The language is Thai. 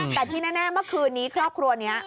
แต่ที่แน่เมื่อคืนนี้ครอบครัวนี้